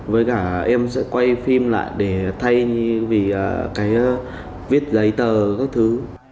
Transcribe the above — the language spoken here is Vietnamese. với cả em sẽ quay phim lại để thay vì cái viết giấy tờ các thứ